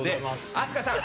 飛鳥さん！